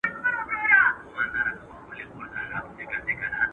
موږ تېره میاشت یو روغتیایي مرکز ته تللي وو.